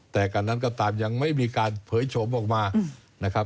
แต่กันนั้นก็ยังไม่มีการเผยโฉมออกมา